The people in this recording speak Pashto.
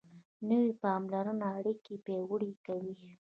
نوې پاملرنه اړیکې پیاوړې کوي